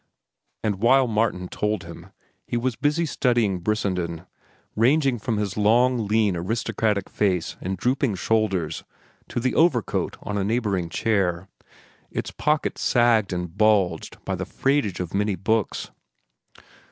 And while Martin told him, he was busy studying Brissenden, ranging from a long, lean, aristocratic face and drooping shoulders to the overcoat on a neighboring chair, its pockets sagged and bulged by the freightage of many books.